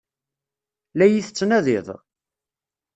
La iyi-tettnadiḍ?